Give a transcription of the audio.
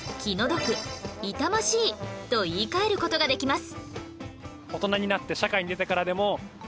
と言い換える事ができます